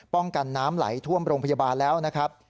กันน้ำไหลท่วมโรงพยาบาลแล้วนะครับ